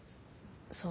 そう。